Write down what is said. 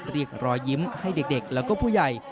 เรียกรอยยิ้มให้เด็กและผู้ใหญ่